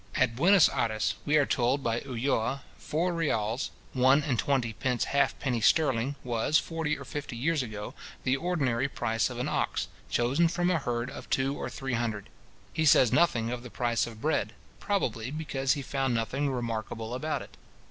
At Buenos Ayres, we are told by Ulloa, four reals, one and twenty pence halfpenny sterling, was, forty or fifty years ago, the ordinary price of an ox, chosen from a herd of two or three hundred. He says nothing of the price of bread, probably because he found nothing remarkable about it.